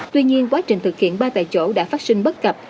tuy nhiên quá trình thực hiện ba tại chỗ đã phát sinh bất cập